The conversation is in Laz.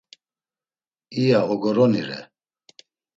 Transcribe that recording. iya ogoroni re.